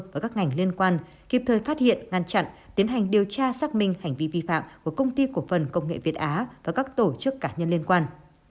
và các ngành liên quan kịp thời phát hiện ngăn chặn tiến hành điều tra xác minh hành vi vi phạm của công ty cổ phần công nghệ việt á và các tổ chức cá nhân liên quan